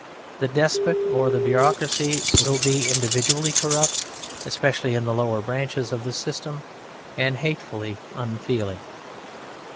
The despot or the bureaucracy will be individually corrupt, especially in the lower branches of the system, and hatefully unfeeling.